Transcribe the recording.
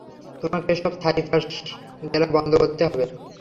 তোমাকে এসব ছাইপাশ গেলা বন্ধ করতে হবে!